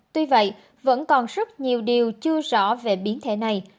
tuy vậy vẫn còn rất nhiều điều chưa rõ về biến thể này